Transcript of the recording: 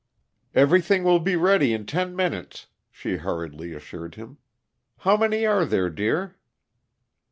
"Everything will be ready in ten minutes," she hurriedly assured him. "How many are there, dear?"